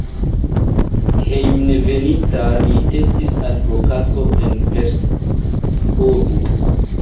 Hejmenveninta li estis advokato en Pest (urbo).